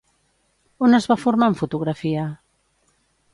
On es va formar en fotografia?